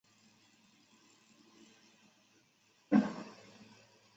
卡门是位于美国亚利桑那州圣克鲁斯县的一个人口普查指定地区。